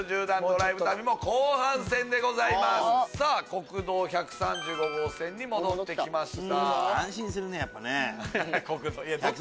国道１３５号線に戻ってきました。